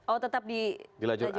oh tetap di lajur itu ya